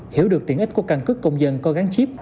hiểu được tiện ích của căn cước công dân có gắn chip